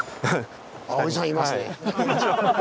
あっおじさんいますね。